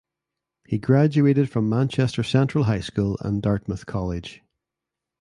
He graduated from Manchester Central High School and Dartmouth College.